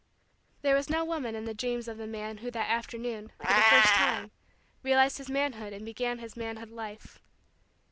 There was no woman in the dreams of the man who that afternoon, for the first time, realized his manhood and began his manhood life.